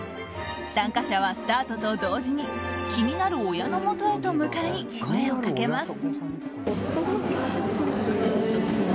参加者はスタートと同時に気になる親のもとへと向かい声をかけます。